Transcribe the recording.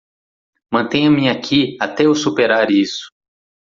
Mantenha-me aqui até eu superar isso.